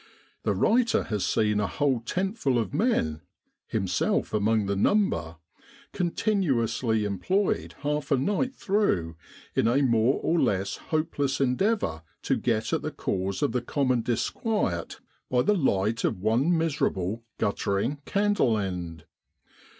The writer has seen a whole tent full of men himself among the number continuously employed half a night through in a more or less hopeless endeavour to get at the cause of the common disquiet by the light of one miserable, guttering candle end.